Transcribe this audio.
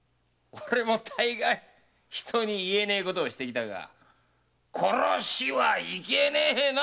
俺も大概人に言えねえことをしてきたが殺しはいけねえな！